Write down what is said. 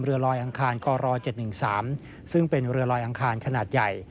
ลอยอังคารกร๗๑๓ซึ่งเป็นเรือลอยอังคารขนาดใหญ่